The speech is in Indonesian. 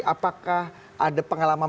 apakah ada pengalaman